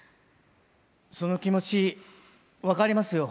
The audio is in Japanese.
その気持ち分かりますよ。